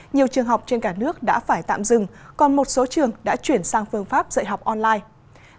nhiều trường học trên cả nước đã phải tạm dừng còn một số trường đã chuyển sang phương pháp dạy học online